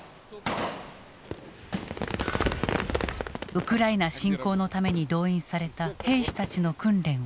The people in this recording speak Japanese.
ウクライナ侵攻のために動員された兵士たちの訓練を視察した。